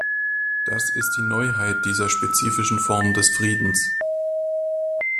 Das ist die Neuheit dieser spezifischen Form des Friedens.